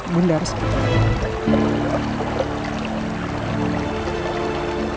bunda harus berbahagia